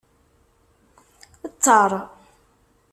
Tter.